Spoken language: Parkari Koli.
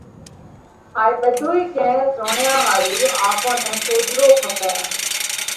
هائي ٻڌوئي ڪئين زوڻيا ۿارُو آپون نئہ سوجھرو ڪپئه،